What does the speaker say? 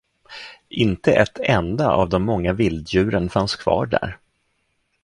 Inte ett enda av de många vilddjuren fanns kvar där.